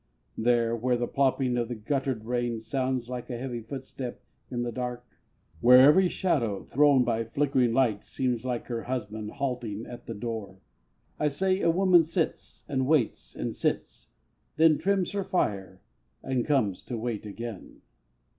There, where the plopping of the guttered rain Sounds like a heavy footstep in the dark, Where every shadow thrown by flickering light Seems like her husband halting at the door, I say a woman sits, and waits, and sits, Then trims her fire, and comes to wait again.